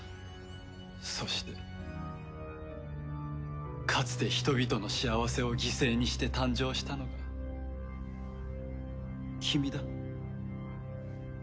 そしてかつて人々の幸せを犠牲にして誕生したのが君だ。